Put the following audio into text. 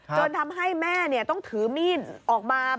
จนทำให้แม่ต้องถือมีดออกมา